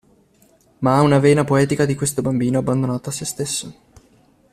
Ma ha una vena poetica di questo bambino abbandonato a sé stesso.